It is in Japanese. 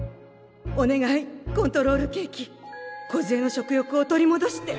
お願いコントロールケーキこずえの食欲を取りもどして。